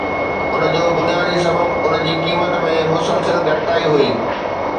ان جو بنيادي سبب ان جي قيمت ۾ مسلسل گهٽتائي هئي